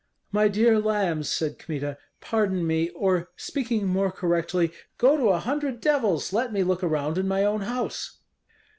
"My dear lambs," said Kmita, "pardon me, or, speaking more correctly, go to a hundred devils, let me look around in my own house."